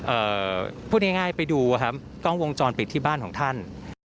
พูดง่ายง่ายไปดูอะครับกล้องวงจรปิดที่บ้านของท่าน